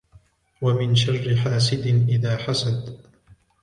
وَمِن شَرِّ حَاسِدٍ إِذَا حَسَدَ